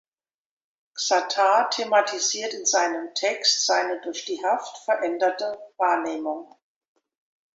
Xatar thematisiert in seinem Text seine durch die Haft veränderte Wahrnehmung.